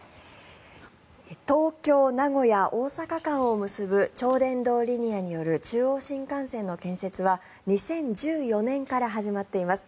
東京名古屋大阪間を結ぶ超電導リニアによる中央新幹線の建設は２０１４年から始まっています。